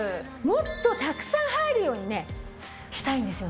もっとたくさん入るようにしたいんですよね。